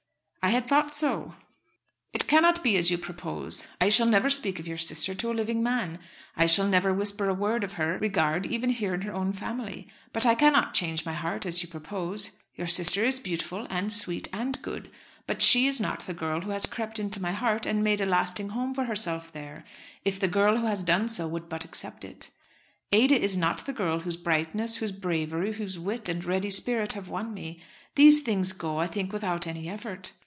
"I had thought so. It cannot be as you propose. I shall never speak of your sister to a living man. I shall never whisper a word of her regard even here in her own family. But I cannot change my heart as you propose. Your sister is beautiful, and sweet, and good; but she is not the girl who has crept into my heart, and made a lasting home for herself there, if the girl who has done so would but accept it. Ada is not the girl whose brightness, whose bravery, whose wit and ready spirit have won me. These things go, I think, without any effort.